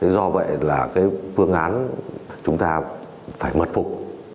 do vậy là cái phương án chúng ta phải mật phục